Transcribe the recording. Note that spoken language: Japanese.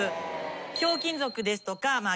『ひょうきん族』ですとか『欽ドン！』